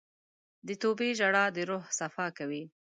د توبې ژړا د روح صفا کوي.